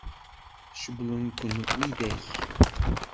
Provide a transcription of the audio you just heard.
Cewwlen-ken widak?